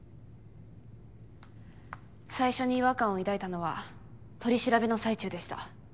最初に違和感を抱いたのは取り調べの最中でした。